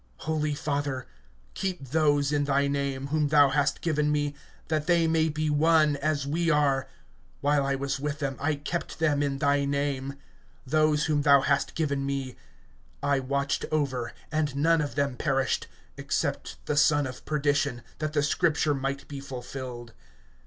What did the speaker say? Holy Father, keep those in thy name whom thou hast given me, that they may be one, as we are, (12)While I was with them, I kept them in thy name. Those whom thou hast given me I watched over and none of them perished, except the son of perdition, that the scripture might be fulfilled.